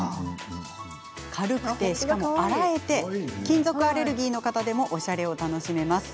軽くて洗えて金属アレルギーの方でもおしゃれを楽しめます。